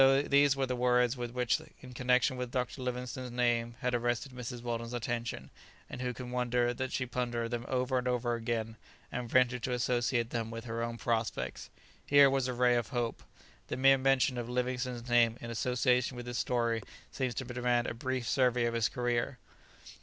These were the words which in connexion with Dr. Livingstone's name had arrested Mrs. Weldon's attention, and who can wonder that she pondered them over and over again, and ventured to associate them with her own prospects? Here was a ray of hope! The mere mention of Livingstone's name in association with this story seems to demand a brief survey of his career.